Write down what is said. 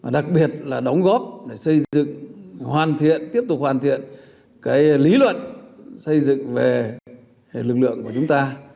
đặc biệt là đóng góp để xây dựng hoàn thiện tiếp tục hoàn thiện lý luận xây dựng về lực lượng của chúng ta